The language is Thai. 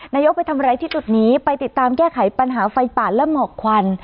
นายกไปทำอะไรที่จุดนี้ไปติดตามแก้ไขปัญหาไฟป่าและหมอกควัน